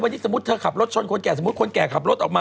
วันนี้สมมุติเธอขับรถชนคนแก่สมมุติคนแก่ขับรถออกมา